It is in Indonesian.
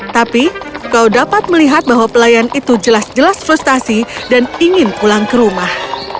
tapi kau dapat melihat bahwa pelayan itu jelas jelas frustasi dan ingin pulang ke rumah